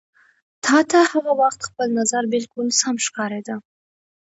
تا ته هغه وخت خپل نظر بالکل سم ښکارېده.